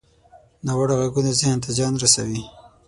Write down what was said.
ناوړه غږونه ذهن ته زیان رسوي